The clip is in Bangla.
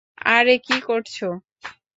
আরে কি করছো?